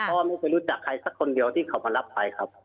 เพราะว่าไม่เคยรู้จักใครสักคนเดียวที่เขามารับไปครับ